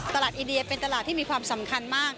ตลาดอินเดียเป็นตลาดที่มีความสำคัญมาก